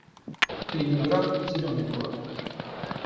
Калининград — зелёный город